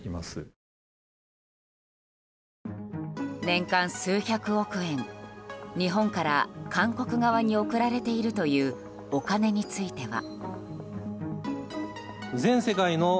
年間数百億円日本から韓国側に送られているというお金については。